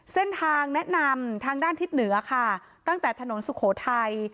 เส้นทางแนะนำทางด้านทิศเหนือค่ะตั้งแต่ถนนสุโขทัย